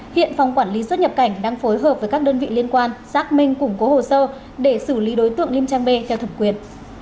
hiện phòng quản lý xuất nhập cảnh đang phối hợp với các đơn vị liên quan xác minh củng cố hồ sơ để xử lý đối tượng liêm trang b theo thẩm quyền